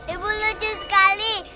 ibu lucu sekali